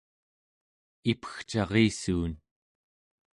ipegcarissuun